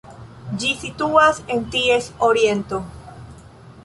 Ĝi situas en ties oriento.